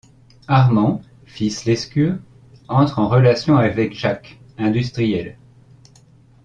Armand, fils Lescure, entre en relation avec Jacques, industriel.